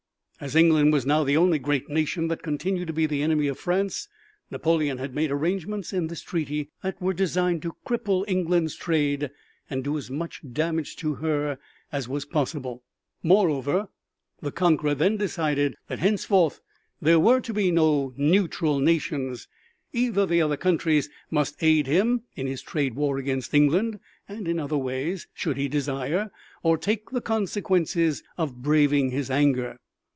As England was now the only great nation that continued to be the enemy of France, Napoleon had made arrangements in this treaty that were designed to cripple England's trade and do as much damage to her as was possible. Moreover, the conqueror had decided that henceforth there were to be no neutral nations. Either the other countries must aid him in his trade war against England and in other ways should he desire, or take the consequences of braving his anger.